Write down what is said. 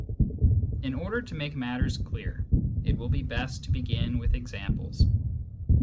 In order to make matters clear, it will be best to begin with examples.